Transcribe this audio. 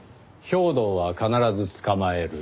「兵頭は必ず捕まえる」